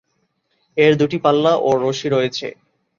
এর দুটি পাল্লা ও রশি রয়েছে।